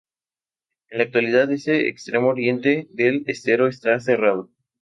En la actualidad ese extremo oriente del estero está cerrado.